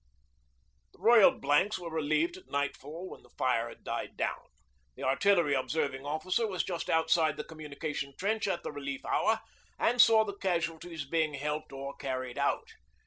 The Royal Blanks were relieved at nightfall when the fire had died down. The Artillery Observing Officer was just outside the communication trench at the relief hour and saw the casualties being helped or carried out.